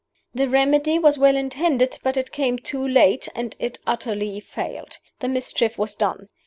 "The remedy was well intended; but it came too late, and it utterly failed. The mischief was done.